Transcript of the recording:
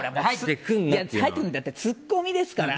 だってツッコミですから。